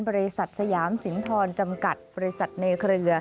บริษัทสยามสินทรจำกัดบริษัทในเครือ